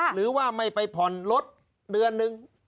หรือว่าไม่ไปผ่อนรถเดือนนึง